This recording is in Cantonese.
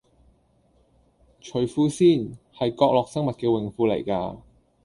除褲先，係角落生物嘅泳褲嚟㗎